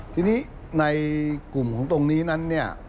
ทีนี้ในกลุ่มของตรงนี้นั้นเนี่ย